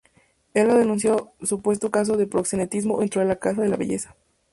Helga denunció supuesto caso de proxenetismo dentro de la casa de la belleza.